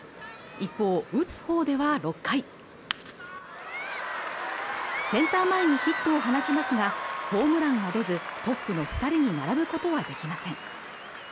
一方打つほうでは６回センター前にヒットを放ちますがホームランは出ずトップの二人に並ぶことはできません